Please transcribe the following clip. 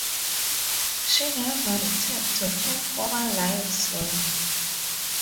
She never returned to her former life's work.